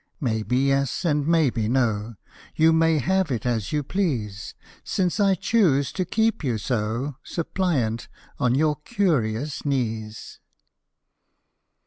Maybe yes, and maybe no, You may have it as you please, Since I choose to keep you so, Suppliant on your curious knees.